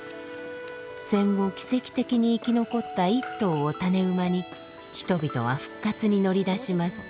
戦後奇跡的に生き残った一頭を種馬に人々は復活に乗り出します。